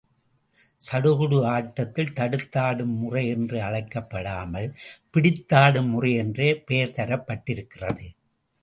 சடுகுடு ஆட்டத்தில் தடுத்தாடும் முறை என்று அழைக்கப் படாமல், பிடித்தாடும் முறை என்றே பெயர் தரப்பட்டிருக்கிறது.